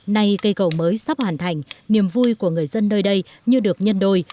nay cây cầu mới sắp hoàn thành niềm vui của người dân nơi đây như được nhân đôi